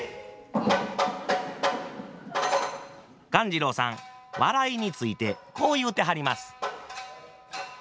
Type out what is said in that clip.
鴈治郎さん笑いについてこう言うてはります。